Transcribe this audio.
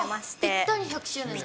ぴったり１００周年ですか。